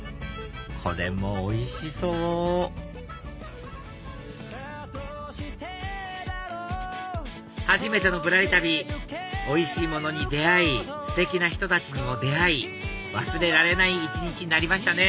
これもおいしそう初めての『ぶらり旅』おいしいものに出会いステキな人たちにも出会い忘れられない一日になりましたね